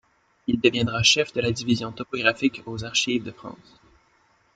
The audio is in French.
Il deviendra Chef de la Division topographique aux Archives de France.